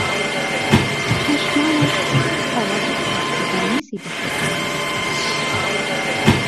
چشمانش حالت تهدید آمیزی به خود گرفت.